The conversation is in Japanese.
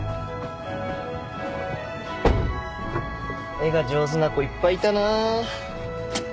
絵が上手な子いっぱいいたな。